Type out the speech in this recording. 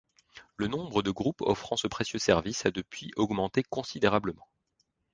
Le nombre de groupes offrant ce précieux service a depuis augmenté considérablement.